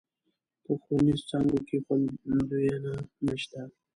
په ښوونيزو څانګو کې خونديينه نشته.